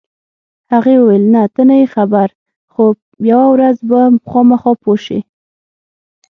هغې وویل: نه، ته نه یې خبر، خو یوه ورځ به خامخا پوه شې.